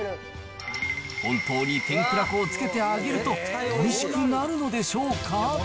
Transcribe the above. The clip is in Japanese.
本当に天ぷら粉をつけて揚げると、おいしくなるのでしょうか。